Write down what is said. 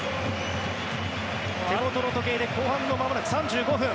手元の時計で後半のまもなく３５分。